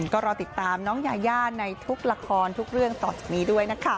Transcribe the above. ก็รอติดตามน้องยายาในทุกละครทุกเรื่องต่อจากนี้ด้วยนะคะ